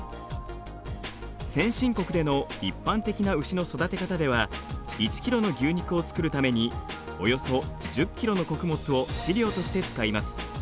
先進国での一般的な牛の育て方では１ｋｇの牛肉を作るためにおよそ１０ｋｇの穀物を飼料として使います。